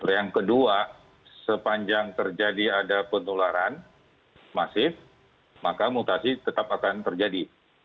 yang kedua sepanjang terjadi ada penularan masif maka mutasi tetap akan terjadi